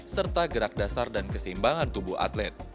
serta gerak dasar dan keseimbangan tubuh atlet